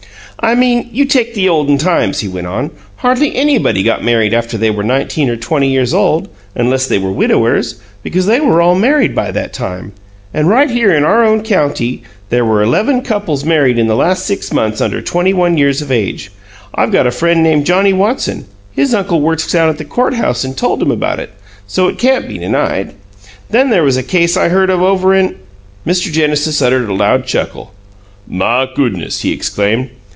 "I mean, you take the olden times," he went on; "hardly anybody got married after they were nineteen or twenty years old, unless they were widowers, because they were all married by that time. And right here in our own county, there were eleven couples married in the last six months under twenty one years of age. I've got a friend named Johnnie Watson; his uncle works down at the court house and told him about it, so it can't be denied. Then there was a case I heard of over in " Mr. Genesis uttered a loud chuckle. "My goo'ness!" he exclaimed.